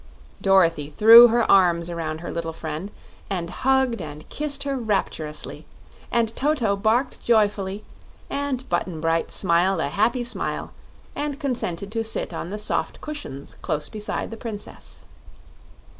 Dorothy threw her arms around her little friend and hugged and kissed her rapturously, and Toto barked joyfully and Button Bright smiled a happy smile and consented to sit on the soft cushions close beside the Princess.